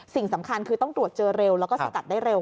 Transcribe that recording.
สิ่งสำคัญคือต้องตรวจเจอเร็วแล้วก็สกัดได้เร็ว